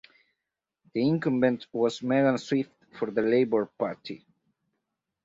The incumbent was Megan Swift for the Labour Party.